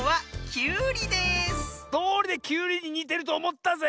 どおりでキュウリににてるとおもったぜ！